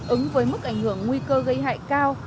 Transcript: ứng với mức ảnh hưởng nguy cơ gây hại cao